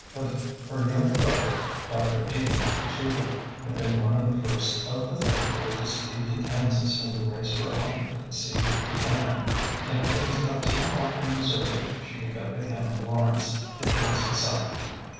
But her younger brother. Dr. Abiel Cheever, had been one of the first of the faithful to speed to Kansas when the race for occupancy began ; and if things got too hot in Missouri she could go to him in Lawrence, it was decided.